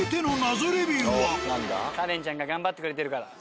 カレンちゃんが頑張ってくれてるから。